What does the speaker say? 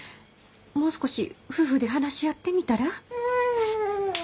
もう少し夫婦で話し合ってみたら？